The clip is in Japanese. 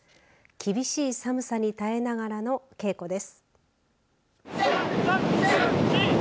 厳しい寒さに耐えながらの稽古です。